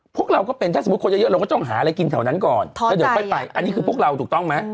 พวกเราก็เป็นถ้าสมมติคนเยอะเราก็ต้องหากินอะไรไหนแถวนั้นก่อน